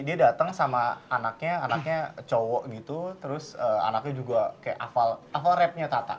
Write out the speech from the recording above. dia datang sama anaknya cowok gitu terus anaknya juga kayak afal rapnya tata